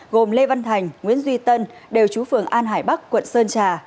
gồm lê văn thành nguyễn duy tân đều chú phường an hải bắc quận sơn trà